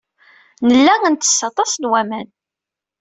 Nella nettess aṭas n waman.